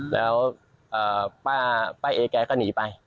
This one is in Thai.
แล้วป้าเอแกก็หนีไป